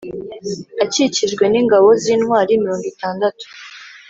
Akikijwe n’ingabo z’intwari mirongo itandatu